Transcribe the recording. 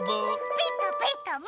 「ピカピカブ！」。